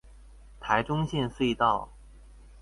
臺中線隧道